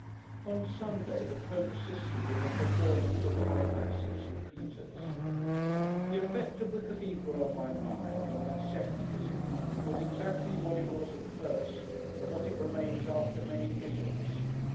On Sunday, the Pope assisted in the performance of High Mass at St. Peter's. The effect of the Cathedral on my mind, on that second visit, was exactly what it was at first, and what it remains after many visits.